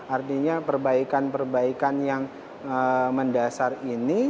artinya perbaikan perbaikan yang mendasar ini